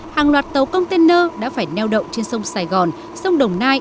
hàng loạt tàu container đã phải neo đậu trên sông sài gòn sông đồng nai